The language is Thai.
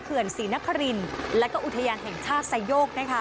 เผื่อนศรีนครินทร์และอุทยานแห่งชาติสายโยก